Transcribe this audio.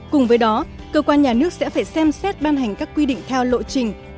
cùng với đó cơ quan nhà nước sẽ phải xem xét ban hành các quy định theo lộ trình